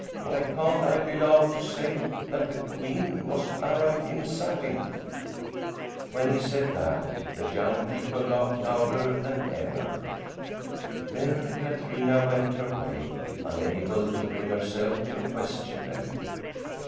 Why can't I be allowed to say that the queen was arrayed in satin?" When he said that the young people laughed louder than ever. Then Katrina went her way, unable to bring herself to question them.